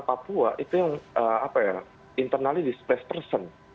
tapi di papua itu yang apa ya internally displaced person